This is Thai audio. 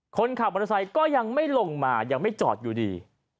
คนขับมอเตอร์ไซค์ก็ยังไม่ลงมายังไม่จอดอยู่ดี